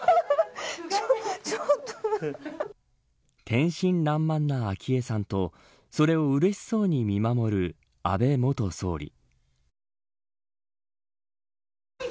天真らんまんな昭恵さんとそれをうれしそうに見守る安倍元総理。